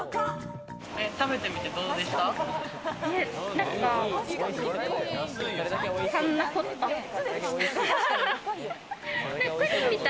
食べてみてどうでした？